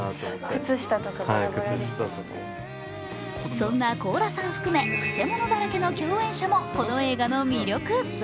そんな高良さん含めくせ者だらけの共演者もこの映画の魅力。